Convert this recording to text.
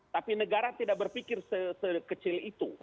tapi negara tidak berpikir sekecil itu